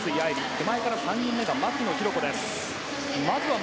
手前から３人目が牧野紘子です。